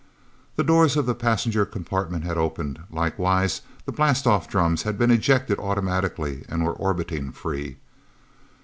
The doors of the passenger compartments had opened; likewise the blastoff drums had been ejected automatically, and were orbiting free.